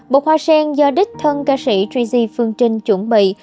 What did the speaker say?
bột hoa sen do đích thân ca sĩ tri di phương trinh chuẩn bị